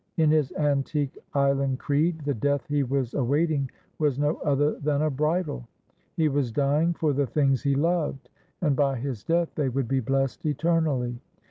In his antique island creed the death he was awaiting was no other than a bridal. He was dying for the things he loved, and by his death they would be blessed eternally.